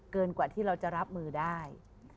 กว่าที่เราจะรับมือได้